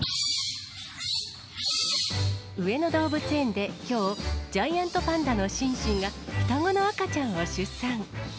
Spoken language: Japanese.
上野動物園できょう、ジャイアントパンダのシンシンが、双子の赤ちゃんを出産。